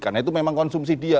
karena itu memang konsumsi dia